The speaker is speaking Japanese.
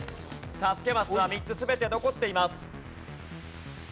助けマスは３つ全て残っています。